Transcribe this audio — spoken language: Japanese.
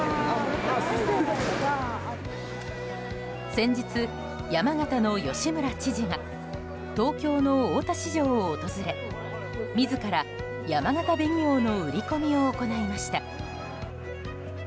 先日、山形の吉村知事が東京の大田市場を訪れ自ら、やまがた紅王の売り込みを行いました。